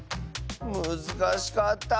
むずかしかった。